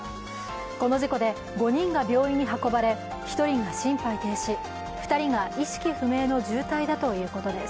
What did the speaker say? この事故で５人が病院に運ばれ１人が心肺停止２人が意識不明の重体だということです。